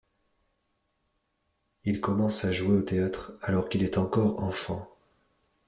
Il commence à jouer au théâtre alors qu'il est encore enfant.